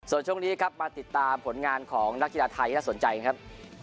ส่วนช่วงนี้ครับมาติดตามผลงานของนักกีฬาไทยที่น่าสนใจครับ